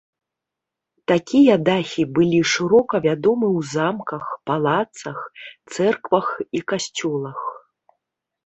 Такія дахі былі шырока вядомы ў замках, палацах, цэрквах і касцёлах.